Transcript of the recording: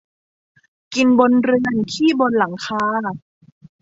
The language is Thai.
กินบนเรือนขี้บนหลังคา